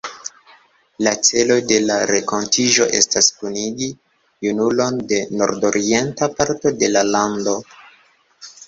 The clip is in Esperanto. La celo de la renkontiĝo estas kunigi junulon de nordorienta parto de la lando.